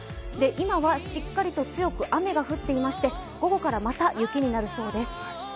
今は、しっかりと強く雨が降っていまして午後からまた雪になるそうです。